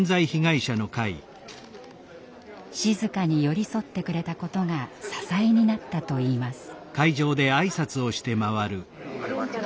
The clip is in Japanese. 静かに寄り添ってくれたことが支えになったといいます。